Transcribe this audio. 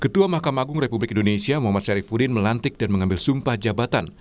ketua mahkamah agung republik indonesia muhammad syarifudin melantik dan mengambil sumpah jabatan